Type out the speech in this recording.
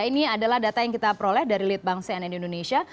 ini adalah data yang kita peroleh dari lead bank cnn indonesia